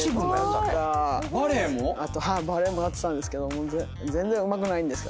バレエもやってたんですけども全然うまくないんです。